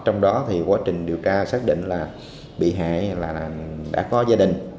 trong đó thì quá trình điều tra xác định là bị hại là đã có gia đình